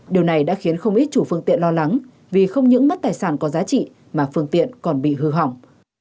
điều này đã khiến không ít chủ phương tiện lo lắng vì không những mất tài sản có giá trị mà phương tiện còn bị hư hỏng